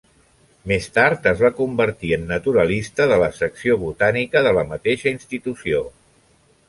Més tard, es va convertir en naturalista de la Secció Botànica de la mateixa institució.